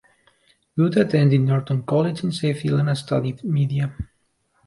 Wood attended Norton College in Sheffield and studied media.